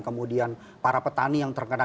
kemudian para petani yang terkena